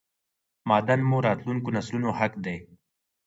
معادن مو راتلونکو نسلونو حق دی!!